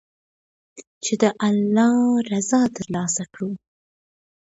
چې د الله رضا تر لاسه کړو.